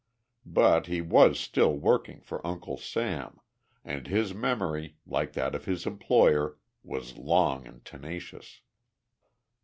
But he was still working for Uncle Sam, and his memory like that of his employer was long and tenacious.